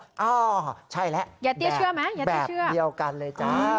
อ้าวใช่แล้วแบบเดียวกันเลย